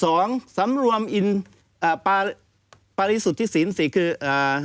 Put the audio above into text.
สองสำรวมอินอ่าปาปริสุทธิสินสี่คืออ่า